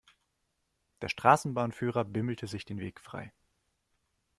Der Straßenbahnführer bimmelte sich den Weg frei.